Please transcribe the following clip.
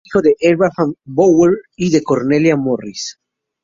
Era hijo de Abraham Bower y de Cornelia Morris.